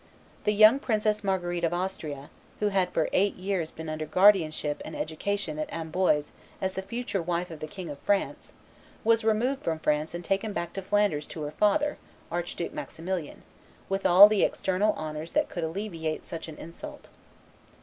The young Princess Marguerite of Austria, who had for eight years been under guardianship and education at Amboise as the future wife of the King of France, was removed from France and taken back into Flanders to her father, Archduke Maximilian, with all the external honors that could alleviate such an insult.